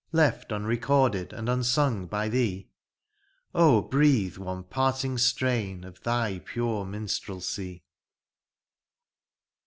Left unrecorded and unsung by thee ? Oh breathe one parting strain of thy pure minstrelsy.